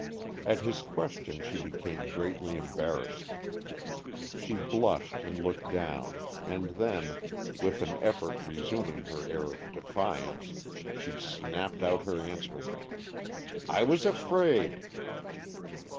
At his question she became greatly embarrassed. She blushed and looked down, and then, with an effort resuming her air of defiance, she snapped out her answer: "I was afraid."